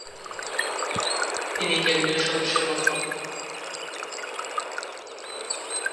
তিনি কেন্দ্রীয় সদস্যপদ পান।